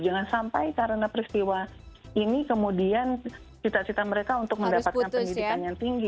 jangan sampai karena peristiwa ini kemudian cita cita mereka untuk mendapatkan pendidikan yang tinggi